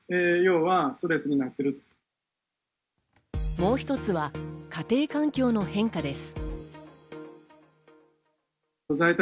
もう一つは家庭環境の変化です。